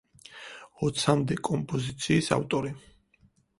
ოცამდე კომპოზიციის ავტორი.